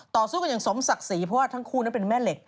สู้กันอย่างสมศักดิ์ศรีเพราะว่าทั้งคู่นั้นเป็นแม่เหล็ก